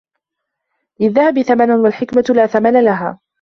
للذهب ثمن والحكمة لا ثمن لها.